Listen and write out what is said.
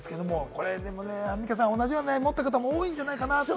これでもね、アンミカさん、同じような悩みを持ってる方、多いんじゃないかなと。